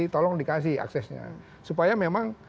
kita mau dikasih aksesnya supaya memang